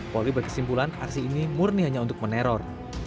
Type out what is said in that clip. polri berkesimpulan aksi ini murni hanya untuk meneror